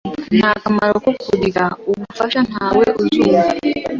Nta kamaro ko kurira ubufasha. Ntawe uzumva.